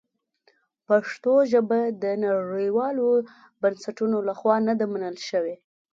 پښتو ژبه د نړیوالو بنسټونو لخوا نه ده منل شوې.